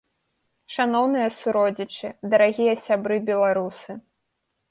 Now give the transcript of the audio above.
Шаноўныя суродзічы, дарагія сябры беларусы!